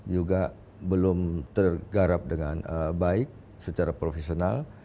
juga belum tergarap dengan baik secara profesional